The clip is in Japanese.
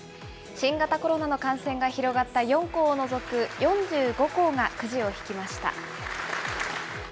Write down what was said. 新型コロナの感染が広がった４校を除く４５校がくじを引きました。